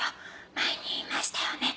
前に言いましたよね。